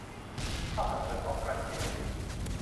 ข้าวผัดเสิร์ฟพร้อมกรรเชียงปู